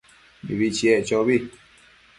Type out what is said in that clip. Mibi chiec chobi